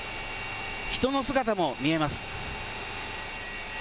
人の姿も見えます。